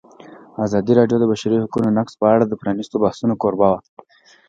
ازادي راډیو د د بشري حقونو نقض په اړه د پرانیستو بحثونو کوربه وه.